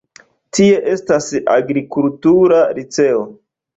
Tie estas agrikultura liceo.